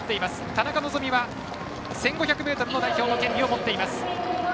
田中希実は１５００ｍの代表の権利を持っています。